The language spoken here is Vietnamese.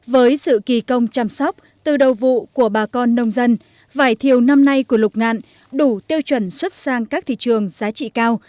với sự kỳ công chăm sóc từ đầu vụ của bà con nông dân vải thiều năm nay của lục ngạn đủ tiêu chuẩn xuất sang các thị trường giá trị cao